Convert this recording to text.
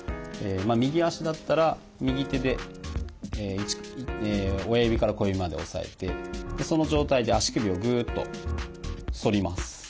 右足だったら右手で親指から小指まで押さえてその状態で足首をグッと反ります。